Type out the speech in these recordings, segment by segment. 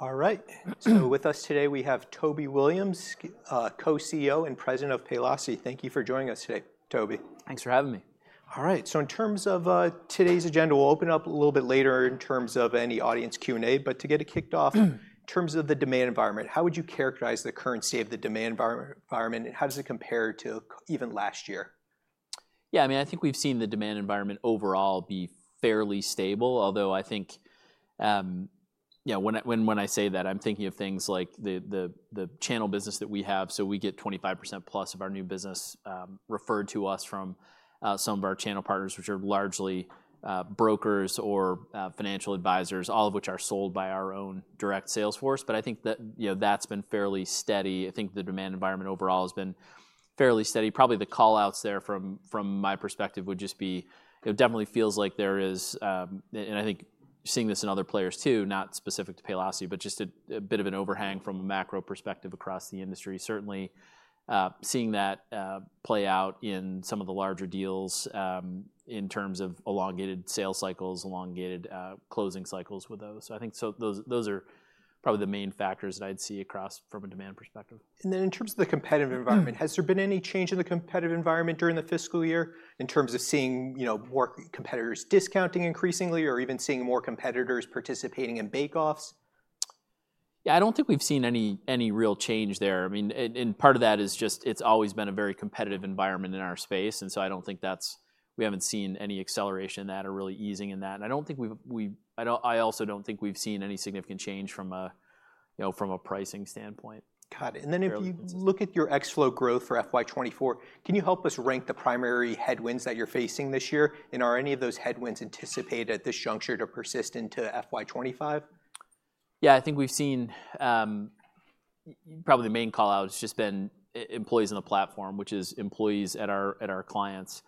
All right. So with us today, we have Toby Williams, Co-CEO and President of Paylocity. Thank you for joining us today, Toby. Thanks for having me. All right. So in terms of today's agenda, we'll open up a little bit later in terms of any audience Q&A, but to get it kicked off, in terms of the demand environment, how would you characterize the current state of the demand environment, and how does it compare to even last year? Yeah, I mean, I think we've seen the demand environment overall be fairly stable, although I think, yeah, when I say that, I'm thinking of things like the channel business that we have. So we get 25% plus of our new business, referred to us from some of our channel partners, which are largely brokers or financial advisors, all of which are sold by our own direct sales force. But I think that, you know, that's been fairly steady. I think the demand environment overall has been fairly steady. Probably, the call-outs there from my perspective would just be, it definitely feels like there is. And I think seeing this in other players too, not specific to Paylocity, but just a bit of an overhang from a macro perspective across the industry. Certainly, seeing that play out in some of the larger deals, in terms of elongated sales cycles, elongated closing cycles with those. So I think so those, those are probably the main factors that I'd see across from a demand perspective. In terms of the competitive environment, has there been any change in the competitive environment during the fiscal year, in terms of seeing, you know, more competitors discounting increasingly or even seeing more competitors participating in bake-offs? Yeah, I don't think we've seen any real change there. I mean, part of that is just, it's always been a very competitive environment in our space, and so I don't think that's... We haven't seen any acceleration in that or really easing in that. And I don't think we've—I also don't think we've seen any significant change from a, you know, from a pricing standpoint. Got it. Fairly consistent. And then if you look at your ex-float growth for FY 2024, can you help us rank the primary headwinds that you're facing this year? And are any of those headwinds anticipated at this juncture to persist into FY 2025? Yeah, I think we've seen, probably the main call-out has just been employees on the platform, which is employees at our, at our clients,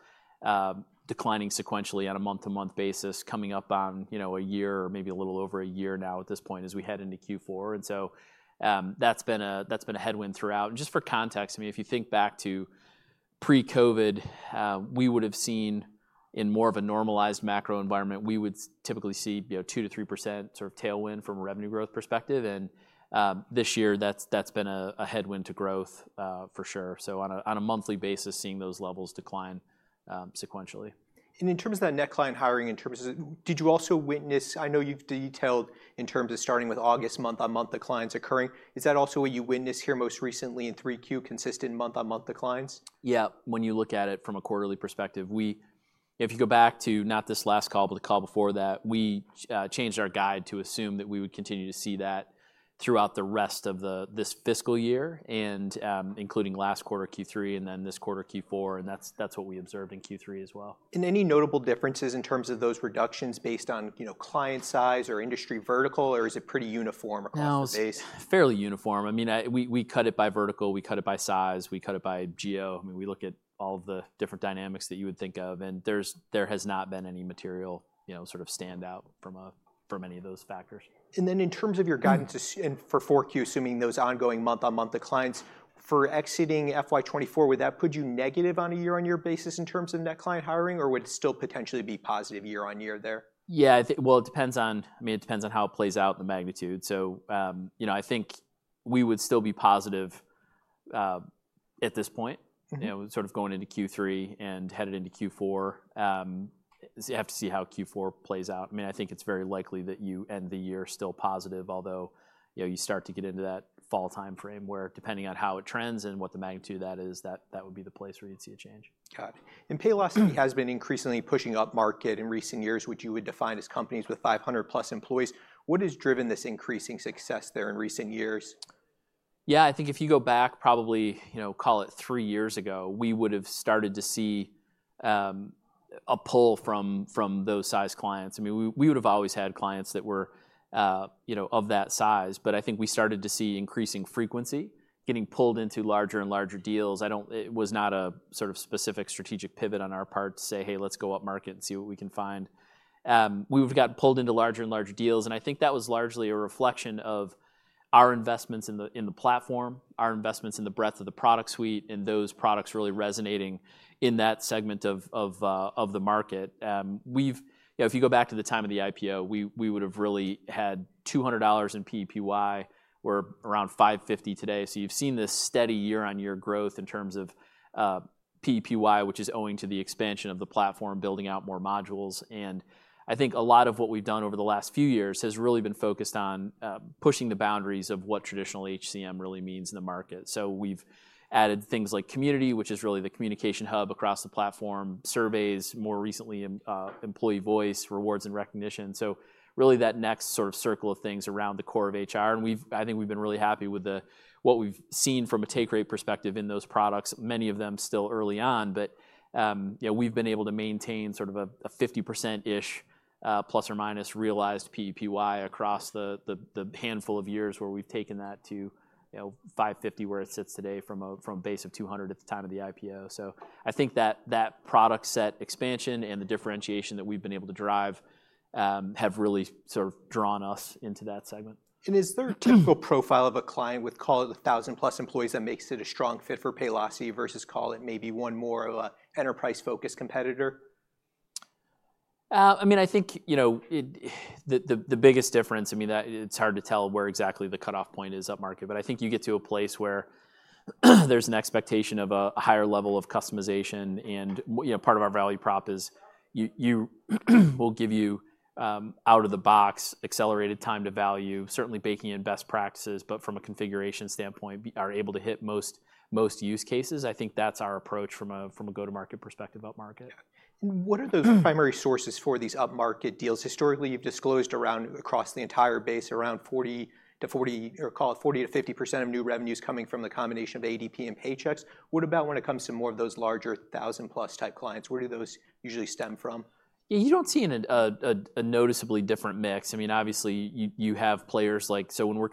declining sequentially on a month-to-month basis, coming up on, you know, a year or maybe a little over a year now at this point as we head into Q4. And so, that's been a, that's been a headwind throughout. And just for context, I mean, if you think back to pre-COVID, we would've seen in more of a normalized macro environment, we would typically see, you know, 2%-3% sort of tailwind from a revenue growth perspective. And, this year, that's, that's been a, a headwind to growth, for sure. So on a, on a monthly basis, seeing those levels decline, sequentially. In terms of that net client hiring, in terms of… did you also witness, I know you’ve detailed, in terms of starting with August month-on-month declines occurring? Is that also what you witnessed here most recently in 3Q, consistent month-on-month declines? Yeah, when you look at it from a quarterly perspective, we, if you go back to not this last call, but the call before that, we changed our guide to assume that we would continue to see that throughout the rest of this fiscal year and, including last quarter, Q3, and then this quarter, Q4, and that's, that's what we observed in Q3 as well. Any notable differences in terms of those reductions based on, you know, client size or industry vertical, or is it pretty uniform across the base? No, it's fairly uniform. I mean, we cut it by vertical, we cut it by size, we cut it by geo. I mean, we look at all the different dynamics that you would think of, and there has not been any material, you know, sort of stand out from any of those factors. In terms of your guidance and for 4Q, assuming those ongoing month-on-month declines, for exceeding FY24, would that put you negative on a year-on-year basis in terms of net client hiring, or would it still potentially be positive year-on-year there? Yeah, I think... Well, it depends on- I mean, it depends on how it plays out and the magnitude. So, you know, I think we would still be positive, at this point. Mm-hmm. You know, sort of going into Q3 and headed into Q4. So you have to see how Q4 plays out. I mean, I think it's very likely that you end the year still positive, although, you know, you start to get into that fall timeframe, where depending on how it trends and what the magnitude of that is, that, that would be the place where you'd see a change. Got it. Paylocity has been increasingly pushing up market in recent years, which you would define as companies with 500+ employees. What has driven this increasing success there in recent years? Yeah, I think if you go back, probably, you know, call it three years ago, we would've started to see a pull from those size clients. I mean, we would've always had clients that were, you know, of that size, but I think we started to see increasing frequency, getting pulled into larger and larger deals. It was not a sort of specific strategic pivot on our part to say, "Hey, let's go up market and see what we can find." We've gotten pulled into larger and larger deals, and I think that was largely a reflection of our investments in the platform, our investments in the breadth of the product suite, and those products really resonating in that segment of the market. We've... You know, if you go back to the time of the IPO, we would've really had $200 in PPY. We're around $550 today. So you've seen this steady year-on-year growth in terms of PPY, which is owing to the expansion of the platform, building out more modules. And I think a lot of what we've done over the last few years has really been focused on pushing the boundaries of what traditional HCM really means in the market. So we've added things like Community, which is really the communication hub across the platform, surveys, more recently, Employee Voice, Rewards & Recognition. So really that next sort of circle of things around the core of HR, and I think we've been really happy with what we've seen from a take rate perspective in those products, many of them still early on. You know, we've been able to maintain sort of a 50%-ish ± realized PPY across the handful of years where we've taken that to, you know, 550, where it sits today, from a base of 200 at the time of the IPO. So I think that product set expansion and the differentiation that we've been able to drive have really sort of drawn us into that segment. Is there a typical profile of a client with, call it, 1,000+ employees, that makes it a strong fit for Paylocity versus, call it, maybe one more of a enterprise-focused competitor? I mean, I think, you know, the biggest difference, I mean, that it's hard to tell where exactly the cutoff point is up market. But I think you get to a place where there's an expectation of a higher level of customization, and you know, part of our value prop is we'll give you out-of-the-box, accelerated time to value, certainly baking in best practices, but from a configuration standpoint, we are able to hit most use cases. I think that's our approach from a go-to-market perspective upmarket. Yeah. And what are those primary sources for these upmarket deals? Historically, you've disclosed around, across the entire base, around 40- 40, or call it 40%-50% of new revenues coming from the combination of ADP and Paychex. What about when it comes to more of those larger, 1,000-plus type clients? Where do those usually stem from? Yeah, you don't see a noticeably different mix. I mean, obviously, you, you have players like... So when we're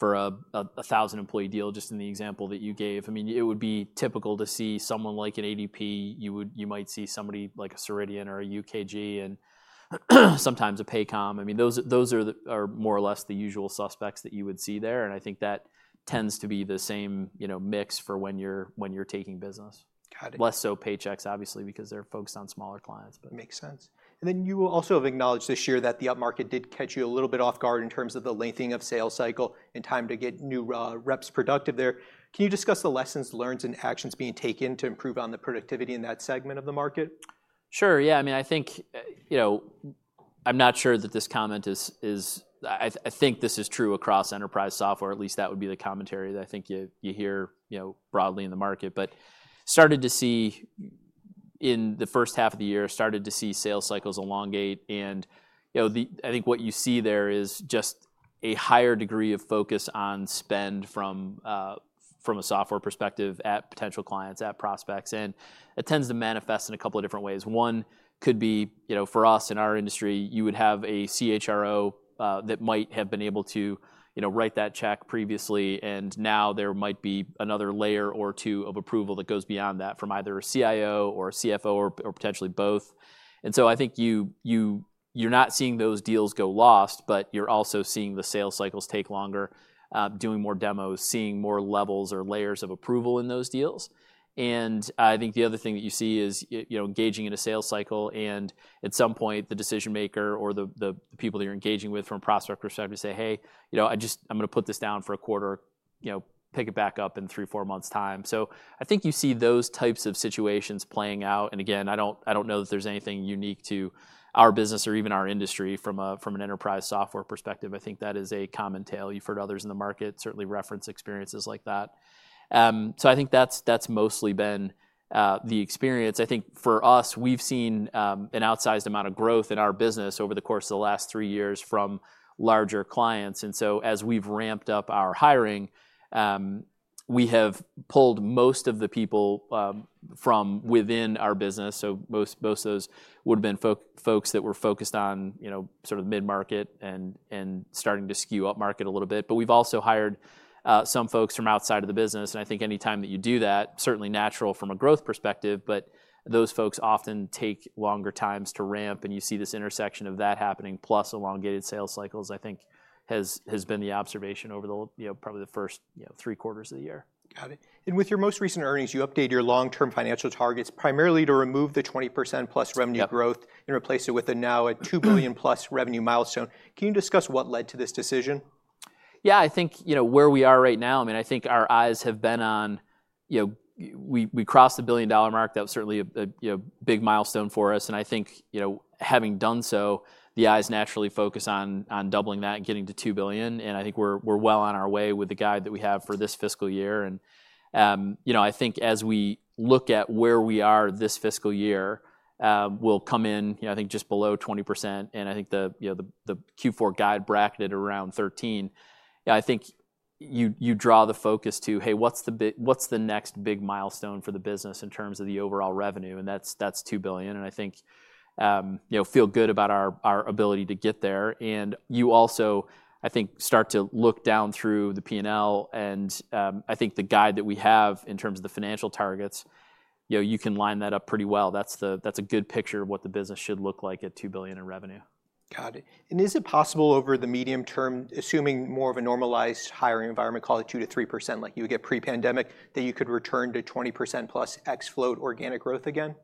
competing for a 1,000-employee deal, just in the example that you gave, I mean, it would be typical to see someone like an ADP. You might see somebody like a Ceridian or a UKG and sometimes a Paycom. I mean, those are more or less the usual suspects that you would see there, and I think that tends to be the same, you know, mix for when you're taking business. Got it. Less so Paychex, obviously, because they're focused on smaller clients, but- Makes sense. You also have acknowledged this year that the upmarket did catch you a little bit off guard in terms of the lengthening of sales cycle and time to get new reps productive there. Can you discuss the lessons learned and actions being taken to improve on the productivity in that segment of the market? Sure, yeah. I mean, I think, you know, I'm not sure that this comment is. I think this is true across enterprise software, at least that would be the commentary that I think you hear, you know, broadly in the market. But in the first half of the year, started to see sales cycles elongate, and, you know, I think what you see there is just a higher degree of focus on spend from a software perspective at potential clients, at prospects. And it tends to manifest in a couple of different ways. One could be, you know, for us, in our industry, you would have a CHRO that might have been able to, you know, write that check previously, and now there might be another layer or two of approval that goes beyond that, from either a CIO or a CFO or potentially both. I think you're not seeing those deals go lost, but you're also seeing the sales cycles take longer, doing more demos, seeing more levels or layers of approval in those deals. I think the other thing that you see is, you know, engaging in a sales cycle, and at some point, the decision-maker or the people that you're engaging with from a prospect perspective say, "Hey, you know, I just... I'm gonna put this down for a quarter. You know, pick it back up in three, four months' time." So I think you see those types of situations playing out, and again, I don't know that there's anything unique to our business or even our industry from an enterprise software perspective. I think that is a common tale. You've heard others in the market certainly reference experiences like that. So I think that's mostly been the experience. I think for us, we've seen an outsized amount of growth in our business over the course of the last three years from larger clients, and so as we've ramped up our hiring, we have pulled most of the people from within our business. So most of those would've been folks that were focused on, you know, sort of mid-market and starting to skew upmarket a little bit. But we've also hired some folks from outside of the business, and I think anytime that you do that, certainly natural from a growth perspective, but those folks often take longer times to ramp, and you see this intersection of that happening, plus elongated sales cycles, I think has been the observation over the you know, probably the first, you know, three quarters of the year. Got it. And with your most recent earnings, you updated your long-term financial targets, primarily to remove the 20%+ revenue growth- Yep... and replace it with now a $2 billion+ revenue milestone. Can you discuss what led to this decision? Yeah, I think, you know, where we are right now, I mean, I think our eyes have been on, you know, we, we crossed the $1 billion mark. That was certainly a, a, you know, big milestone for us, and I think, you know, having done so, the eyes naturally focus on, on doubling that and getting to $2 billion. And I think we're, we're well on our way with the guide that we have for this fiscal year. And, you know, I think as we look at where we are this fiscal year, we'll come in, you know, I think just below 20%, and I think the, you know, the, the Q4 guide bracketed around 13%. Yeah, I think you, you draw the focus to, hey, what's the big- what's the next big milestone for the business in terms of the overall revenue? And that's, that's $2 billion, and I think, you know, feel good about our, our ability to get there. And you also, I think, start to look down through the P&L, and, I think the guide that we have in terms of the financial targets, you know, you can line that up pretty well. That's the- that's a good picture of what the business should look like at $2 billion in revenue. Got it. Is it possible over the medium term, assuming more of a normalized hiring environment, call it 2%-3% like you would get pre-pandemic, that you could return to 20%-plus ex-float organic growth again?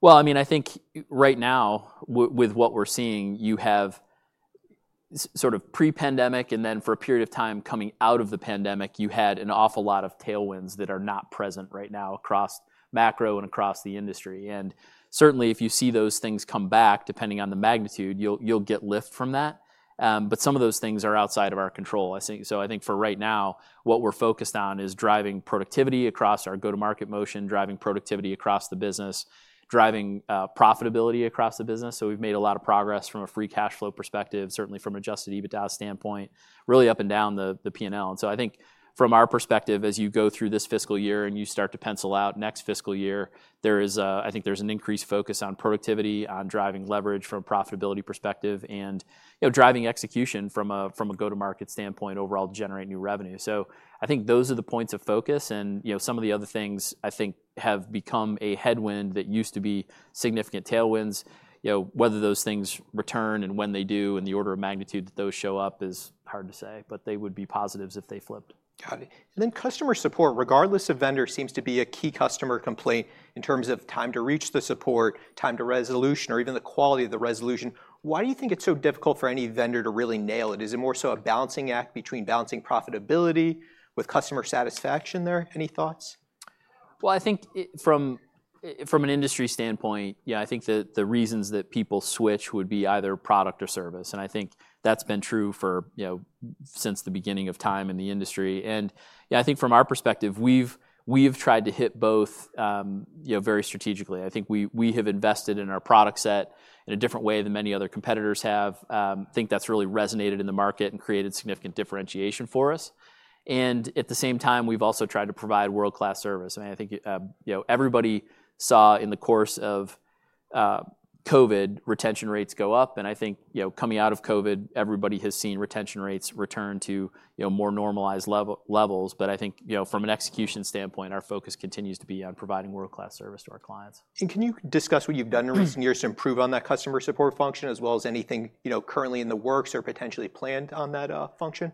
Well, I mean, I think right now, with what we're seeing, you have sort of pre-pandemic, and then for a period of time coming out of the pandemic, you had an awful lot of tailwinds that are not present right now across macro and across the industry. And certainly, if you see those things come back, depending on the magnitude, you'll get lift from that. But some of those things are outside of our control, I think. So I think for right now, what we're focused on is driving productivity across our go-to-market motion, driving productivity across the business, driving profitability across the business. So we've made a lot of progress from a Free Cash Flow perspective, certainly from an Adjusted EBITDA standpoint, really up and down the P&L. So I think from our perspective, as you go through this fiscal year, and you start to pencil out next fiscal year, there is, I think there's an increased focus on productivity, on driving leverage from a profitability perspective, and, you know, driving execution from a go-to-market standpoint, overall generating new revenue. I think those are the points of focus, and, you know, some of the other things I think have become a headwind that used to be significant tailwinds. You know, whether those things return and when they do, and the order of magnitude that those show up is hard to say, but they would be positives if they flipped. Got it. And then customer support, regardless of vendor, seems to be a key customer complaint in terms of time to reach the support, time to resolution, or even the quality of the resolution. Why do you think it's so difficult for any vendor to really nail it? Is it more so a balancing act between balancing profitability with customer satisfaction there? Any thoughts?... Well, I think from, from an industry standpoint, yeah, I think the, the reasons that people switch would be either product or service, and I think that's been true for, you know, since the beginning of time in the industry. And, yeah, I think from our perspective, we've tried to hit both, you know, very strategically. I think we have invested in our product set in a different way than many other competitors have. I think that's really resonated in the market and created significant differentiation for us. And at the same time, we've also tried to provide world-class service, and I think, you know, everybody saw in the course of COVID, retention rates go up. And I think, you know, coming out of COVID, everybody has seen retention rates return to, you know, more normalized levels. I think, you know, from an execution standpoint, our focus continues to be on providing world-class service to our clients. Can you discuss what you've done in recent years to improve on that customer support function, as well as anything, you know, currently in the works or potentially planned on that function?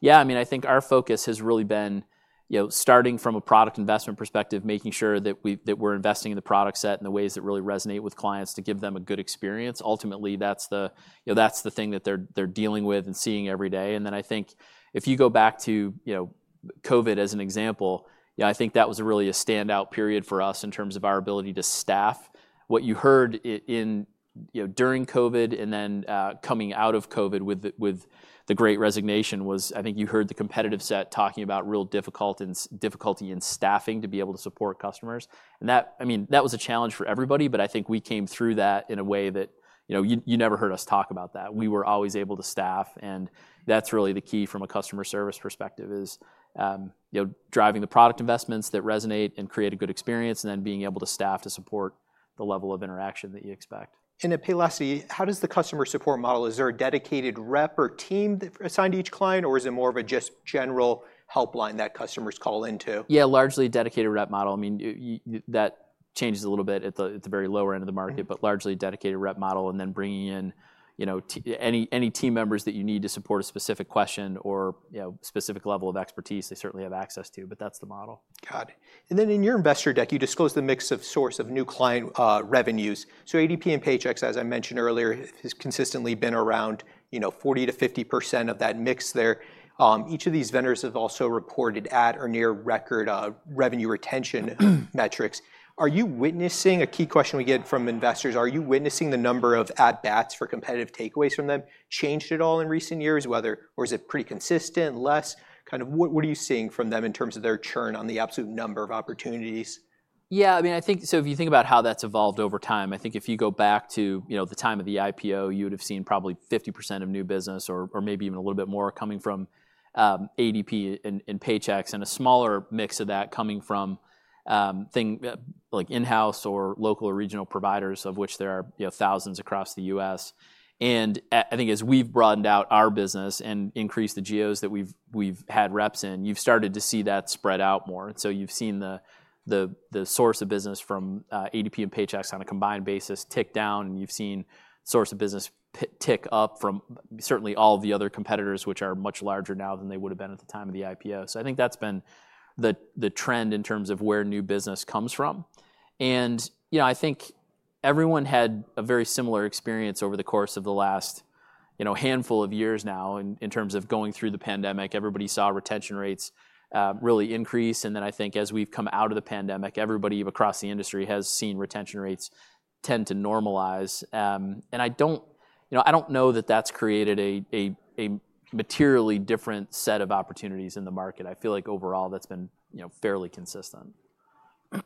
Yeah, I mean, I think our focus has really been, you know, starting from a product investment perspective, making sure that we're investing in the product set in the ways that really resonate with clients to give them a good experience. Ultimately, that's the, you know, that's the thing that they're dealing with and seeing every day. And then, I think if you go back to, you know, COVID as an example, yeah, I think that was really a standout period for us in terms of our ability to staff. What you heard in, you know, during COVID and then, coming out of COVID with the Great Resignation was... I think you heard the competitive set talking about real difficulty in staffing to be able to support customers. And that, I mean, that was a challenge for everybody, but I think we came through that in a way that, you know, you never heard us talk about that. We were always able to staff, and that's really the key from a customer service perspective, is, you know, driving the product investments that resonate and create a good experience, and then being able to staff to support the level of interaction that you expect. At Paylocity, how does the customer support model... Is there a dedicated rep or team that assigned each client, or is it more of a just general helpline that customers call into? Yeah, largely a dedicated rep model. I mean, that changes a little bit at the very lower end of the market- Mm... but largely a dedicated rep model, and then bringing in, you know, any team members that you need to support a specific question or, you know, specific level of expertise they certainly have access to, but that's the model. Got it. And then in your investor deck, you disclose the mix of source of new client revenues. So ADP and Paychex, as I mentioned earlier, has consistently been around, you know, 40%-50% of that mix there. Each of these vendors have also reported at or near record revenue retention metrics. Are you witnessing... A key question we get from investors: Are you witnessing the number of at-bats for competitive takeaways from them changed at all in recent years, whether or is it pretty consistent, less? Kind of what, what are you seeing from them in terms of their churn on the absolute number of opportunities? Yeah, I mean, I think, so if you think about how that's evolved over time, I think if you go back to, you know, the time of the IPO, you would've seen probably 50% of new business or, or maybe even a little bit more coming from, ADP and, and Paychex, and a smaller mix of that coming from, like in-house or local or regional providers, of which there are, you know, thousands across the U.S. I think as we've broadened out our business and increased the geos that we've, we've had reps in, you've started to see that spread out more. And so you've seen the source of business from ADP and Paychex on a combined basis tick down, and you've seen source of business tick up from certainly all the other competitors, which are much larger now than they would've been at the time of the IPO. So I think that's been the trend in terms of where new business comes from. And, you know, I think everyone had a very similar experience over the course of the last, you know, handful of years now in terms of going through the pandemic. Everybody saw retention rates really increase, and then I think as we've come out of the pandemic, everybody across the industry has seen retention rates tend to normalize. And I don't, you know, I don't know that that's created a materially different set of opportunities in the market. I feel like overall that's been, you know, fairly consistent.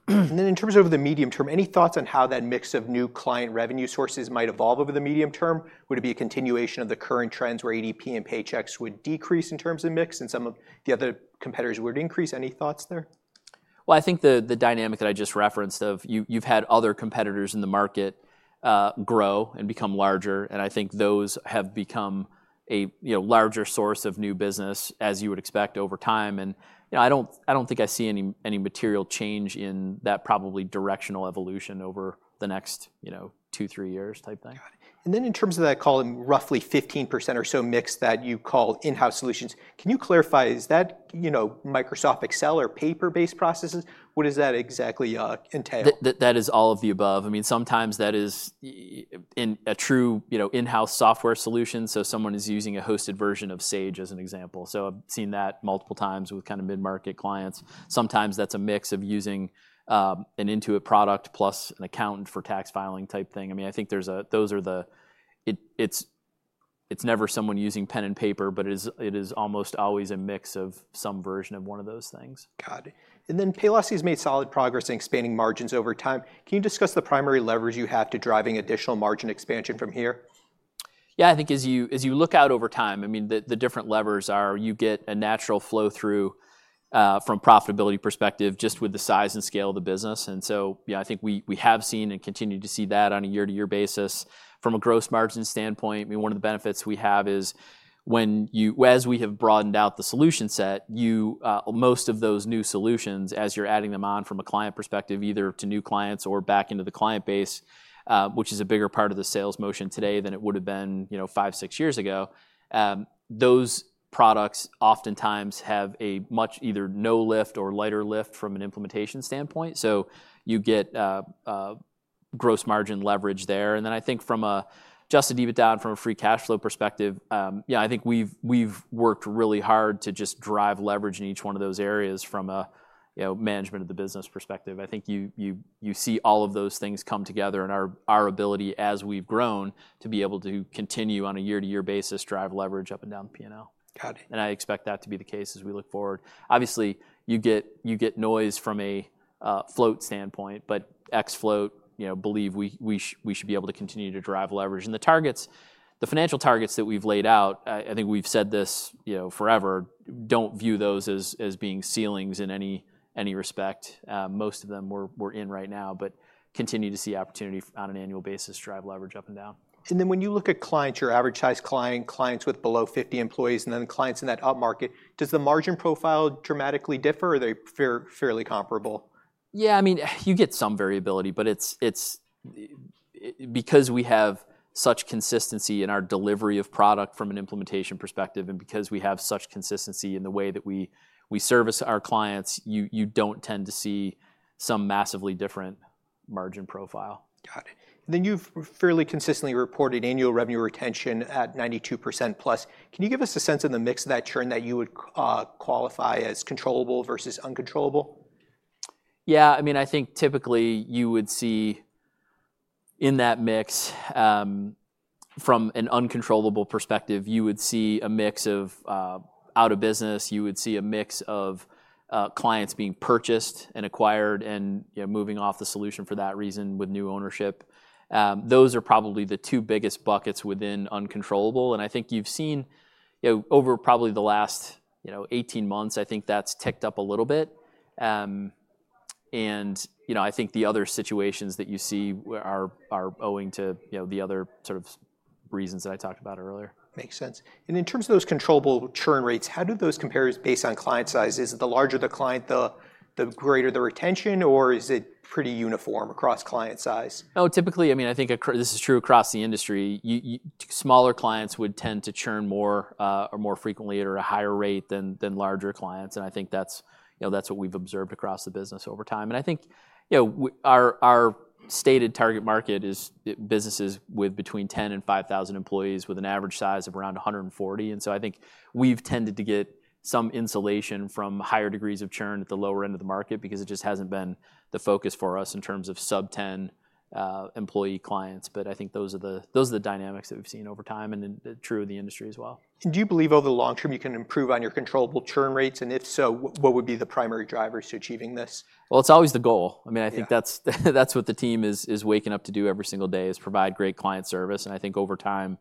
And then in terms of the medium term, any thoughts on how that mix of new client revenue sources might evolve over the medium term? Would it be a continuation of the current trends where ADP and Paychex would decrease in terms of mix, and some of the other competitors would increase? Any thoughts there? Well, I think the dynamic that I just referenced of you've had other competitors in the market grow and become larger, and I think those have become a, you know, larger source of new business, as you would expect over time. And, you know, I don't think I see any material change in that probably directional evolution over the next, you know, two, three years type thing. Got it. And then in terms of that, call it roughly 15% or so mix that you call in-house solutions, can you clarify, is that, you know, Microsoft Excel or paper-based processes? What does that exactly entail? That is all of the above. I mean, sometimes that is in a true, you know, in-house software solution, so someone is using a hosted version of Sage, as an example. So I've seen that multiple times with kind of mid-market clients. Sometimes that's a mix of using an Intuit product plus an accountant for tax filing type thing. I mean, I think there's a... Those are the... it's never someone using pen and paper, but it is almost always a mix of some version of one of those things. Got it. And then Paylocity's made solid progress in expanding margins over time. Can you discuss the primary levers you have to driving additional margin expansion from here? Yeah, I think as you look out over time, I mean, the different levers are you get a natural flow-through from profitability perspective, just with the size and scale of the business. And so yeah, I think we have seen and continue to see that on a year-to-year basis. From a gross margin standpoint, I mean, one of the benefits we have is as we have broadened out the solution set, you most of those new solutions, as you're adding them on from a client perspective, either to new clients or back into the client base, which is a bigger part of the sales motion today than it would've been, you know, five, six years ago, those products oftentimes have a much either no lift or lighter lift from an implementation standpoint. So you get... Gross margin leverage there. Then I think from an Adjusted EBITDA and from a Free Cash Flow perspective, yeah, I think we've worked really hard to just drive leverage in each one of those areas from a, you know, management of the business perspective. I think you see all of those things come together in our ability as we've grown, to be able to continue on a year-to-year basis, drive leverage up and down the P&L. Got it. And I expect that to be the case as we look forward. Obviously, you get, you get noise from a float standpoint, but ex-float, you know, believe we, we should be able to continue to drive leverage. And the targets, the financial targets that we've laid out, I, I think we've said this, you know, forever, don't view those as, as being ceilings in any, any respect. Most of them we're, we're in right now, but continue to see opportunity on an annual basis, drive leverage up and down. And then when you look at clients, your average size client, clients with below 50 employees, and then clients in that upmarket, does the margin profile dramatically differ, or are they fairly comparable? Yeah, I mean, you get some variability, but it's because we have such consistency in our delivery of product from an implementation perspective, and because we have such consistency in the way that we service our clients, you don't tend to see some massively different margin profile. Got it. Then you've fairly consistently reported annual revenue retention at 92% plus. Can you give us a sense of the mix of that churn that you would qualify as controllable versus uncontrollable? Yeah, I mean, I think typically you would see in that mix, from an uncontrollable perspective, you would see a mix of, out of business, you would see a mix of, clients being purchased and acquired and, you know, moving off the solution for that reason, with new ownership. Those are probably the two biggest buckets within uncontrollable, and I think you've seen, you know, over probably the last, you know, 18 months, I think that's ticked up a little bit. And, you know, I think the other situations that you see are owing to, you know, the other sort of reasons that I talked about earlier. Makes sense. In terms of those controllable churn rates, how do those compare based on client size? Is it the larger the client, the greater the retention, or is it pretty uniform across client size? No, typically, I mean, I think this is true across the industry, you smaller clients would tend to churn more, or more frequently at a higher rate than larger clients, and I think that's, you know, that's what we've observed across the business over time. And I think, you know, our stated target market is businesses with between 10 and 5,000 employees, with an average size of around 140. And so I think we've tended to get some insulation from higher degrees of churn at the lower end of the market because it just hasn't been the focus for us in terms of sub 10 employee clients. But I think those are the, those are the dynamics that we've seen over time, and then true in the industry as well. Do you believe over the long term you can improve on your controllable churn rates? If so, what would be the primary drivers to achieving this? Well, it's always the goal. Yeah. I mean, I think that's, that's what the team is, is waking up to do every single day, is provide great client service. I think over time,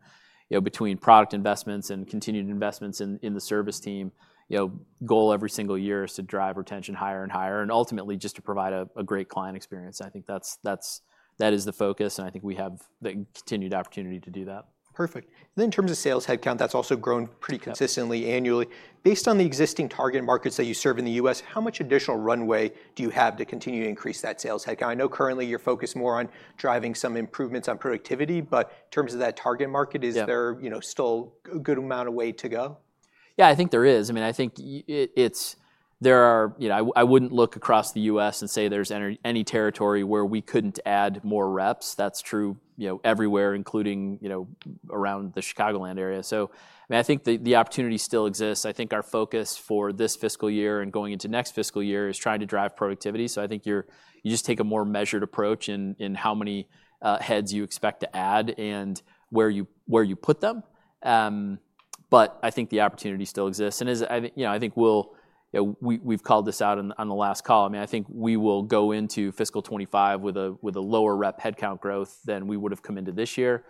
you know, between product investments and continued investments in, in the service team, you know, goal every single year is to drive retention higher and higher, and ultimately just to provide a, a great client experience. I think that's, that's, that is the focus, and I think we have the continued opportunity to do that. Perfect. In terms of sales headcount, that's also grown pretty consistently- Yeah... annually. Based on the existing target markets that you serve in the U.S., how much additional runway do you have to continue to increase that sales headcount? I know currently you're focused more on driving some improvements on productivity, but in terms of that target market- Yeah... is there, you know, still a good amount of way to go? Yeah, I think there is. I mean, I think it, it's, there are... You know, I, I wouldn't look across the U.S. and say there's any, any territory where we couldn't add more reps. That's true, you know, everywhere, including, you know, around the Chicagoland area. So, I mean, I think the, the opportunity still exists. I think our focus for this fiscal year and going into next fiscal year is trying to drive productivity. So I think you just take a more measured approach in, in how many heads you expect to add and where you, where you put them. But I think the opportunity still exists, and as I, you know, I think we'll... You know, we, we've called this out on the, on the last call. I mean, I think we will go into fiscal 2025 with a, with a lower rep headcount growth than we would've come into this year.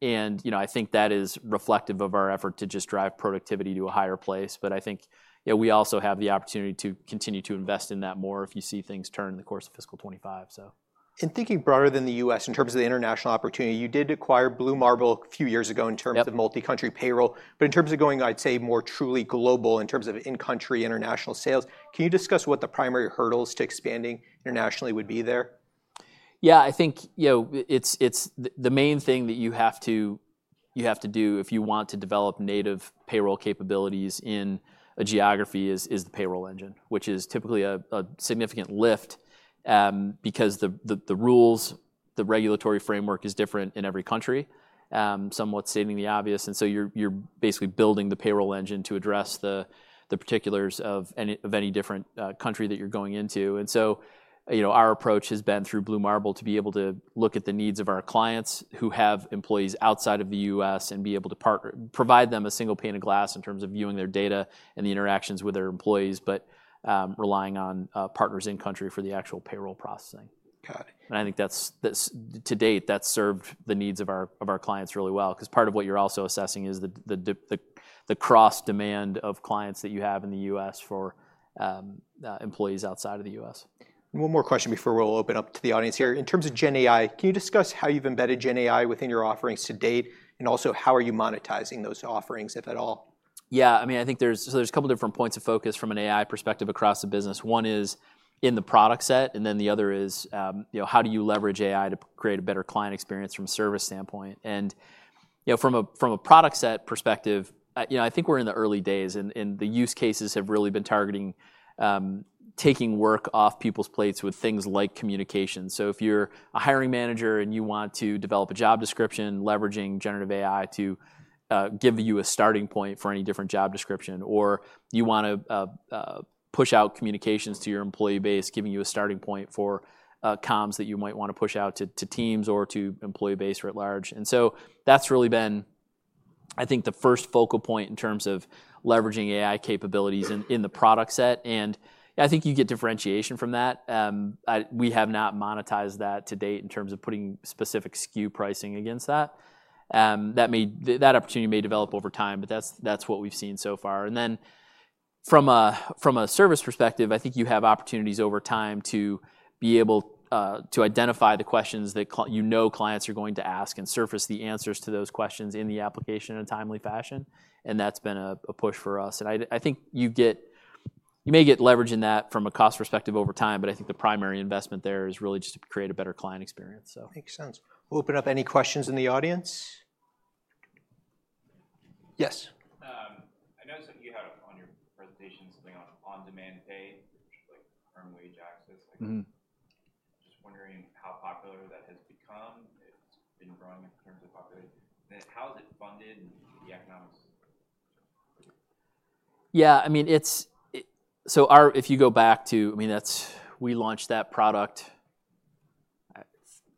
And, you know, I think that is reflective of our effort to just drive productivity to a higher place. But I think, you know, we also have the opportunity to continue to invest in that more if you see things turn in the course of fiscal 2025, so. In thinking broader than the U.S., in terms of the international opportunity, you did acquire Blue Marble a few years ago- Yep... in terms of multi-country payroll. But in terms of going, I'd say, more truly global in terms of in-country international sales, can you discuss what the primary hurdles to expanding internationally would be there? Yeah, I think, you know, it's the main thing that you have to do if you want to develop native payroll capabilities in a geography is the payroll engine, which is typically a significant lift, because the rules, the regulatory framework is different in every country, somewhat stating the obvious. And so you're basically building the payroll engine to address the particulars of any different country that you're going into. You know, our approach has been through Blue Marble to be able to look at the needs of our clients who have employees outside of the U.S. and be able to provide them a single pane of glass in terms of viewing their data and the interactions with their employees, but relying on partners in country for the actual payroll processing. Got it. I think that's, to date, served the needs of our clients really well, 'cause part of what you're also assessing is the cross demand of clients that you have in the U.S. for employees outside of the U.S. One more question before we'll open up to the audience here. In terms of GenAI, can you discuss how you've embedded GenAI within your offerings to date, and also how are you monetizing those offerings, if at all? Yeah, I mean, I think there's a couple different points of focus from an AI perspective across the business. One is in the product set, and then the other is, you know, how do you leverage AI to create a better client experience from a service standpoint? You know, from a product set perspective, you know, I think we're in the early days, and the use cases have really been targeting taking work off people's plates with things like communication. So if you're a hiring manager and you want to develop a job description, leveraging generative AI to give you a starting point for any different job description, or you want to push out communications to your employee base, giving you a starting point for comms that you might wanna push out to teams or to employee base writ large. And so that's really been, I think, the first focal point in terms of leveraging AI capabilities in the product set, and I think you get differentiation from that. We have not monetized that to date in terms of putting specific SKU pricing against that. That opportunity may develop over time, but that's what we've seen so far. From a service perspective, I think you have opportunities over time to be able to identify the questions that, you know, clients are going to ask, and surface the answers to those questions in the application in a timely fashion, and that's been a push for us. I think you may get leverage in that from a cost perspective over time, but I think the primary investment there is really just to create a better client experience, so. Makes sense. We'll open up any questions in the audience. Yes? I noticed that you had on your presentation something on on-demand pay, like earned wage access. Mm-hmm. Just wondering how popular that has become. It's been growing in terms of popularity. How is it funded, and the economics? Yeah, I mean, it's. So if you go back to, I mean, we launched that product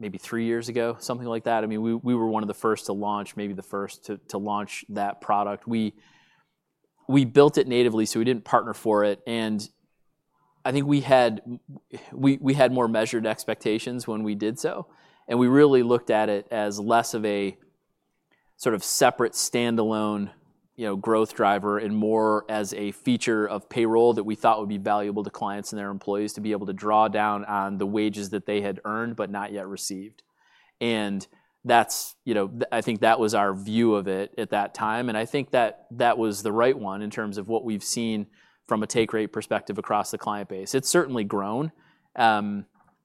maybe three years ago, something like that. I mean, we were one of the first to launch, maybe the first to launch that product. We built it natively, so we didn't partner for it, and I think we had more measured expectations when we did so. And we really looked at it as less of a sort of separate, standalone, you know, growth driver, and more as a feature of payroll that we thought would be valuable to clients and their employees to be able to draw down on the wages that they had earned but not yet received. And that's, you know, I think that was our view of it at that time, and I think that that was the right one in terms of what we've seen from a take rate perspective across the client base. It's certainly grown, but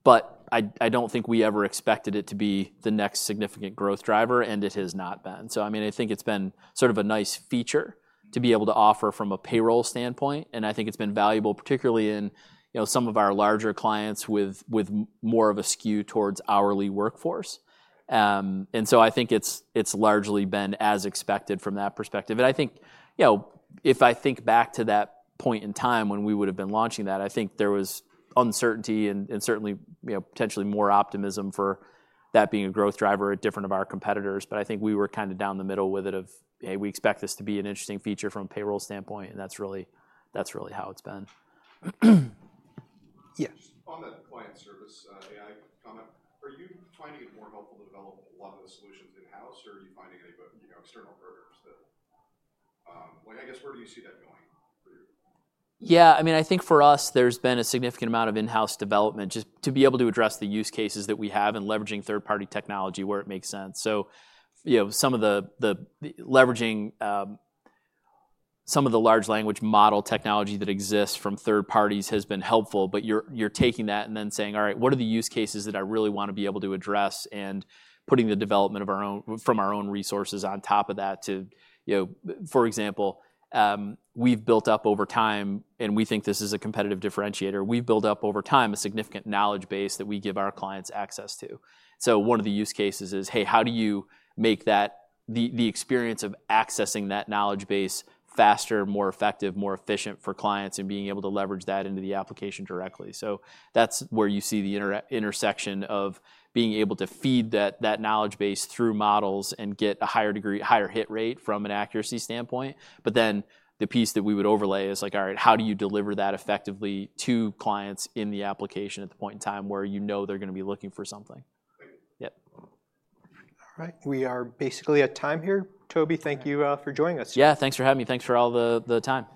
I, I don't think we ever expected it to be the next significant growth driver, and it has not been. So, I mean, I think it's been sort of a nice feature- Mm... to be able to offer from a payroll standpoint, and I think it's been valuable, particularly in, you know, some of our larger clients with more of a skew towards hourly workforce. And so I think it's largely been as expected from that perspective. And I think, you know, if I think back to that point in time when we would've been launching that, I think there was uncertainty and certainly, you know, potentially more optimism for that being a growth driver at different of our competitors. But I think we were kind of down the middle with it, we expect this to be an interesting feature from a payroll standpoint, and that's really how it's been. Yeah. Just on that client service, AI comment, are you finding it more helpful to develop a lot of the solutions in-house, or are you finding any, you know, external programs that... Like, I guess, where do you see that going for your company? Yeah, I mean, I think for us, there's been a significant amount of in-house development, just to be able to address the use cases that we have in leveraging third-party technology where it makes sense. So, you know, some of the leveraging, some of the large language model technology that exists from third parties has been helpful, but you're taking that and then saying: Alright, what are the use cases that I really want to be able to address? And putting the development of our own from our own resources on top of that to, you know. For example, we've built up over time, and we think this is a competitive differentiator, we've built up over time a significant knowledge base that we give our clients access to. So one of the use cases is, hey, how do you make that, the experience of accessing that knowledge base faster, more effective, more efficient for clients, and being able to leverage that into the application directly? So that's where you see the intersection of being able to feed that knowledge base through models and get a higher degree, higher hit rate from an accuracy standpoint. But then the piece that we would overlay is, like, alright, how do you deliver that effectively to clients in the application at the point in time where you know they're gonna be looking for something? Thank you. Yep. All right, we are basically at time here. Toby, thank you for joining us. Yeah, thanks for having me. Thanks for all the time.